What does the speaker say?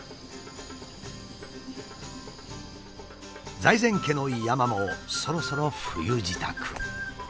財前家の山もそろそろ冬支度。